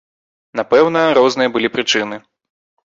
Напэўна, розныя былі прычыны.